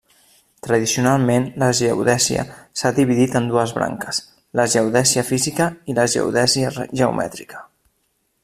Tradicionalment la geodèsia s'ha dividit en dues branques, la geodèsia física i la geodèsia geomètrica.